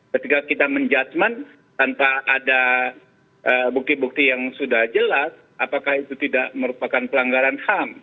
ketika kita menjudgement tanpa ada bukti bukti yang sudah jelas apakah itu tidak merupakan pelanggaran ham